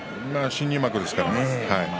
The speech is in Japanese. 新入幕ですからね。